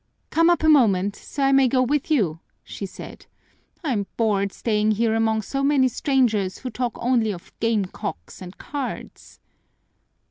"Come up a moment so that I may go with you," she said. "I'm bored staying here among so many strangers who talk only of game cocks and cards."